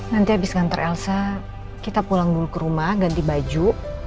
nanti habis ngantar elsa kita pulang dulu ke rumah ganti baju